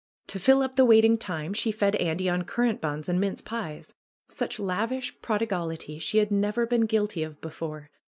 To fill up the waiting time, she fed Andy on currant buns and mince pies. Such lavish prodigality she had never been guilty of before.